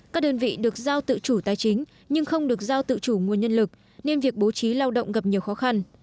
các đơn vị được giao tự chủ tài chính nhưng không được giao tự chủ nguồn nhân lực nên việc bố trí lao động gặp nhiều khó khăn